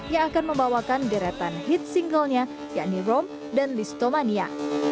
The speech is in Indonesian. yang akan membawakan deretan hit singlenya yakni rome dan listomania